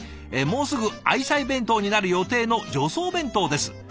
「もうすぐ愛妻弁当になる予定の助走弁当です。